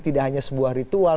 tidak hanya sebuah ritual